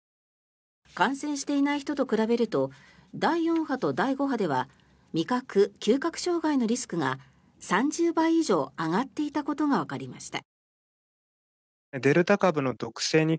感染していない人と比べると第４波と第５波では味覚・嗅覚障害のリスクが３０倍以上上がっていたことがわかりました。